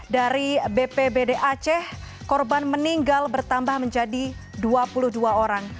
dari bpbd aceh korban meninggal bertambah menjadi dua puluh dua orang